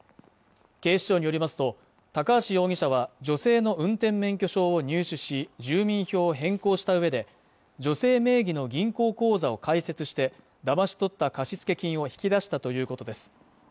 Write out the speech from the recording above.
警視庁によりますと高橋容疑者は女性の運転免許証を入手し住民票を変更したうえで女性名義の銀行口座を開設してだまし取った貸付金を引き出したということです